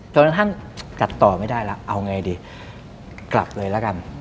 จนท่านจัดต่อไม่ได้แล้วเอาไงดีกลับเลยแล้วกัน